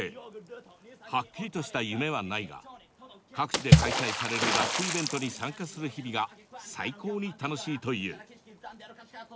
はっきりとした夢はないが各地で開催されるラップイベントに参加する日々が最高に楽しいという。